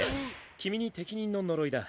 君に適任の呪いだ。